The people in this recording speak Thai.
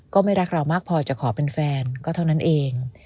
ก็ไม่รักเรามากพอจะขอเป็นแฟนก็เท่านั้นเอง